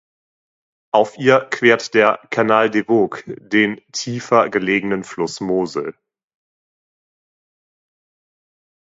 Auf ihr quert der Canal des Vosges den tiefer gelegenen Fluss Mosel.